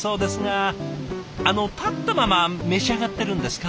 あの立ったまま召し上がってるんですか？